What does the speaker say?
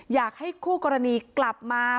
อยากให้คู่กรณีกลับมา